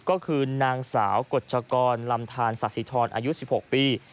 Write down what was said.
ก็คือนางสาวกฎชกรลำทานสาธิธรอายุ๑๖ปี